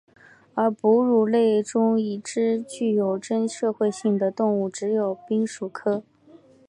而哺乳类中已知具有真社会性的动物只有滨鼠科。